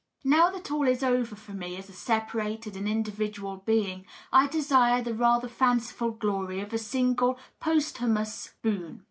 Now that all is over for me as a sep arated and individual being, I desire the rather fanciful glory of a single posthumous boon.